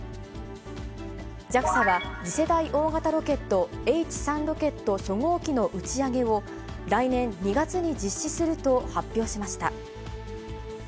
ＪＡＸＡは、次世代大型ロケット、Ｈ３ロケット初号機の打ち上げを、来年２月に実施すると発表しました。